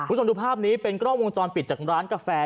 คุณผู้ชมดูภาพนี้เป็นกล้องวงจรปิดจากร้านกาแฟ